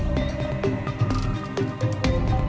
kehadiran wawan dalam dirinya adalah